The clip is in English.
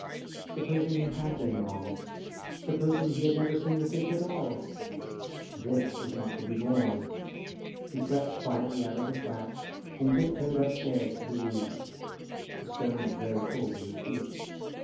Supposing he had been wrong, supposing he had never seen the fish at all ? This was not to be borne. He crept quietly out of the flat, and tiptoed up stairs to the roof. The stone was very cold to his feet.